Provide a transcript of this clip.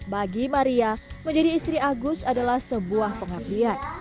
bagi maria menjadi istri agus adalah sebuah pengabdian